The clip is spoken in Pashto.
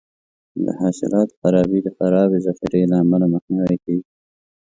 د حاصلاتو خرابي د خرابې ذخیرې له امله مخنیوی کیږي.